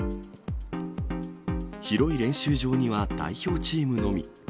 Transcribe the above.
広い練習場には代表チームのみ。